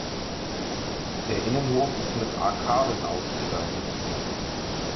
Der Innenhof ist mit Arkaden ausgestaltet.